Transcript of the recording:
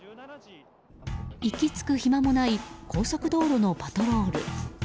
息つく暇もない高速道路のパトロール。